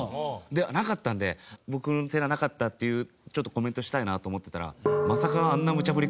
でなかったんで「僕の寺なかった」っていうちょっとコメントしたいなと思ってたら。